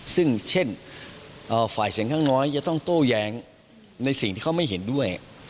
ซึ่งเช่นฝ่ายเสียงข้างน้อยจะต้องโต้แย้งในสิ่งที่เขาไม่เห็นด้วย